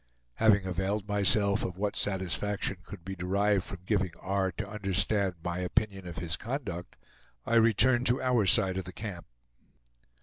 Having availed myself of what satisfaction could be derived from giving R. to understand my opinion of his conduct, I returned to our side of the camp.